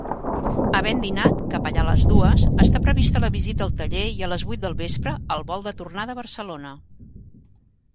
Havent dinat, cap allà a les dues, està prevista la visita al taller i a les vuit del vespre, el vol de tornada a Barcelona.